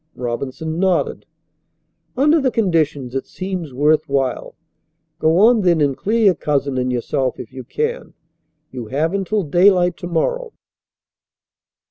Robinson nodded. "Under the conditions it seems worth while. Go on then and clear your cousin and yourself if you can. You have until daylight to morrow."